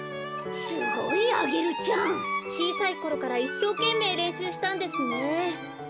ちいさいころからいっしょうけんめいれんしゅうしたんですね。